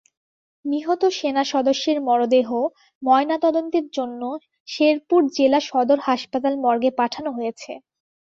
নিহত সেনাসদস্যের মরদেহ ময়নাতদন্তের জন্য শেরপুর জেলা সদর হাসপাতাল মর্গে পাঠানো হয়েছে।